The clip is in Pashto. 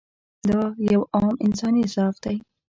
دا یو عام انساني ضعف دی.